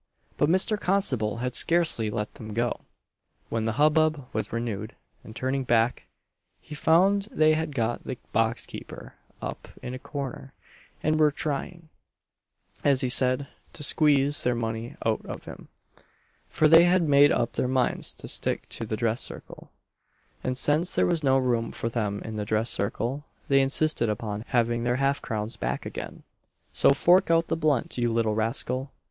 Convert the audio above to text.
But Mr. Constable had scarcely let them go, when the hubbub was renewed; and turning back, he found they had got the box keeper up in a corner, and were trying, as he said, "to squeeze their money out of him;" for they had made up their minds to stick to the dress circle, and since there was no room for them in the dress circle, they insisted upon having their half crowns back again "so fork out the blunt, you little rascal!"